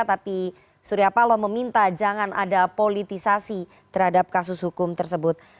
tapi surya paloh meminta jangan ada politisasi terhadap kasus hukum tersebut